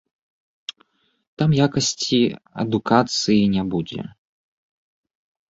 Там якасці адукацыі не будзе.